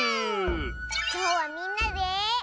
きょうはみんなで。